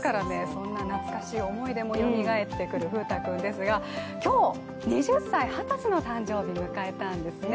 そんな懐かしい思い出もよみがえってくる風太くんですが今日、２０歳の誕生日、迎えたんですね。